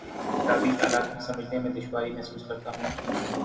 کتابی خیالات کو سمجھنے میں دشواری محسوس کرتا ہوں